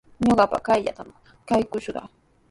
Ñuqaqa kayllatrawmi kakushaq.